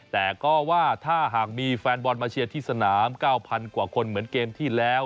แต่ก็ว่าถ้าหากมีแฟนบอลมาเชียร์ที่สนาม๙๐๐กว่าคนเหมือนเกมที่แล้ว